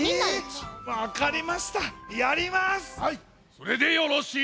それでよろしい。